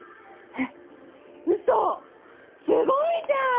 えっうそすごいじゃん！